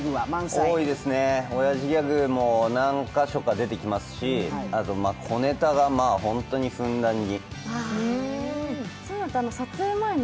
多いですね、おやじギャグも何カ所か出てきますしあと、小ネタが本当にふんだんに。